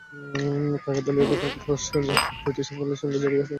কাকতালীয় ঘটনাই, ফরাশগঞ্জের আগের দুটি সাফল্যের সঙ্গেই জড়িয়ে আছে শেখ রাসেলের নাম।